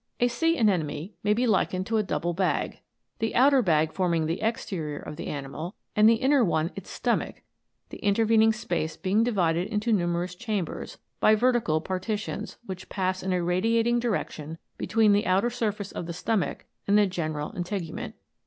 A sea anemone may be likened to a double bag ; the outer bag forming the exterior of the animal, and the inner one its stomach ; the intervening space being divided into numerous chambers, by vertical partitions, which pass ill a radiating direc tion between the outer surface of the stomach and the general integument.